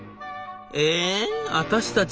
「え私たち